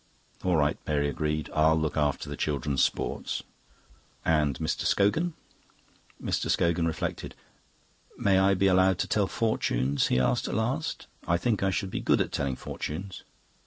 "All right," Mary agreed. "I'll look after the children's sports." "And Mr. Scogan?" Mr. Scogan reflected. "May I be allowed to tell fortunes?" he asked at last. "I think I should be good at telling fortunes."